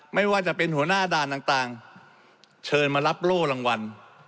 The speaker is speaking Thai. ไม่ว่าจะเป็นหัวหน้าด่านต่างเชิญมารับโล่รางวัล